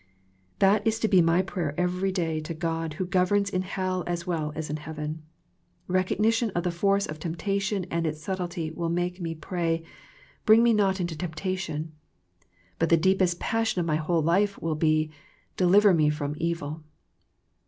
That is to be my prayer every day to God who governs in hell as well as in heaven. Kecognition of the force of temptation and its subtlety will make me pray, " Bring me not into THE PLAITE OF PEAYEE 101 temptation," but the deepest passion of my whole life will be —" deliver me from evil."